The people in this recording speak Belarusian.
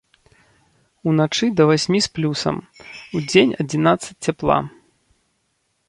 Уначы да васьмі з плюсам, удзень адзінаццаць цяпла.